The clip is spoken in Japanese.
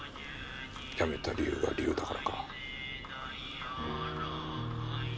辞めた理由が理由だからか。